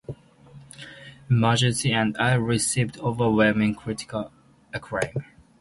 "Emergency and I" received overwhelming critical acclaim.